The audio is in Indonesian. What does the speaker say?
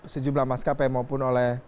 sejumlah maskapai maupun oleh